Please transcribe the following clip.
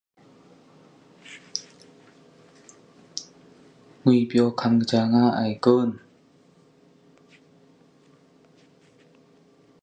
The Warshawky Company continued to grow, even during the Great Depression.